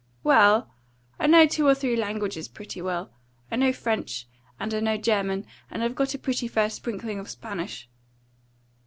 "Well, I know two or three languages pretty well. I know French, and I know German, and I've got a pretty fair sprinkling of Spanish."